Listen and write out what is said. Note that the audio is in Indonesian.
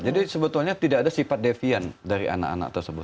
jadi sebetulnya tidak ada sifat deviant dari anak anak tersebut